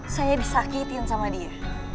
saya disakitin sama dia